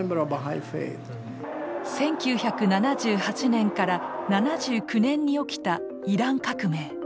１９７８年から７９年に起きたイラン革命。